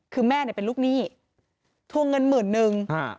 คือแม่เนี่ยเป็นลูกหนี้ทวงเงินหมื่นนึง